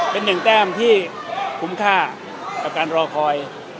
เป็นหนึ่งแต้มที่คุ้มค่ากับการรอคอย